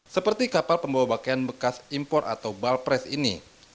seperti kapal pembawa pakaian bekas impor atau balpres ini